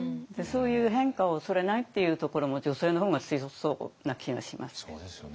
そういう変化を恐れないっていうところも女性の方が強そうな気がします。